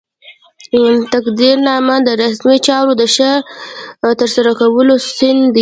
تقدیرنامه د رسمي چارو د ښه ترسره کولو سند دی.